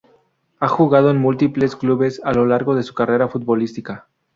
Ha jugado en múltiples clubes a lo largo de su carrera futbolística.